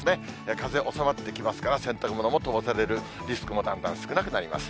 風、収まってきますから、洗濯物も飛ばされるリスクもだんだん少なくなります。